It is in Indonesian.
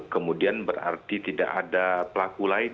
kemudian berarti tidak ada pelaku lain